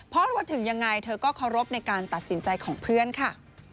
เพราะถึงยังไงเธอก็เคารพในการตัดสินใจของเพื่อนค่ะ